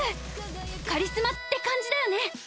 カリスマって感じだよね！